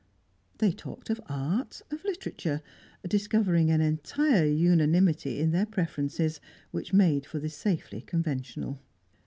They talked of art, of literature, discovering an entire unanimity in their preferences, which made for the safely conventional.